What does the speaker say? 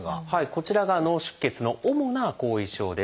こちらが脳出血の主な後遺症です。